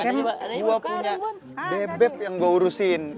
gue punya bebek yang gue urusin